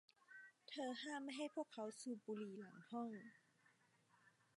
เธอห้ามไม่ให้พวกเขาสูบบุหรี่หลังห้อง